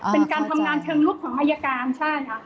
เป็นการทำงานเชิงลุกของอายการใช่ค่ะ